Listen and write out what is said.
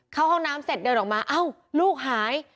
เข้าห้องน้ำเสร็จเดินออกมาเอ้าลูกหาย